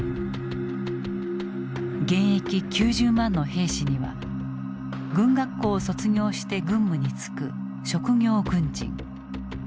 現役９０万の兵士には軍学校を卒業して軍務に就く職業軍人。